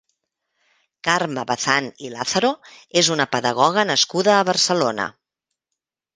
Carme Bazán i Lázaro és una pedagoga nascuda a Barcelona.